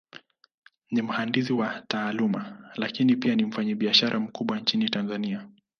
Ni mhandisi kwa Taaluma, Lakini pia ni mfanyabiashara mkubwa Nchini Tanzania.